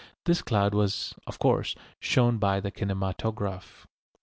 This cloud was, of course, shown by the kinematograph.